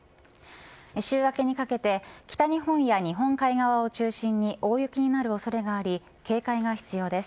週明けにかけて北日本や日本海側を中心に大雪になる恐れがあり警戒が必要です。